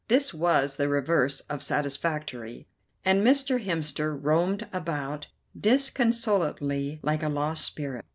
This was the reverse of satisfactory, and Mr. Hemster roamed about disconsolately like a lost spirit.